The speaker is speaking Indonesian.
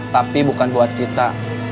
tapi bukan buat kita